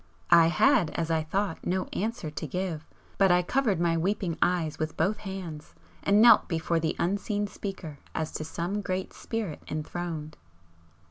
I had, as I thought, no answer to give, but I covered my weeping eyes with both hands and knelt before the unseen speaker as to some great Spirit enthroned.